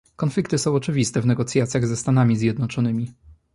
Konflikty są oczywiste w negocjacjach ze Stanami Zjednoczonymi